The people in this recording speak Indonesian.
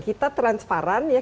kita transparan ya